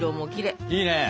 いいね。